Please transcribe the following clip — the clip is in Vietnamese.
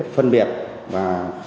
phân biệt và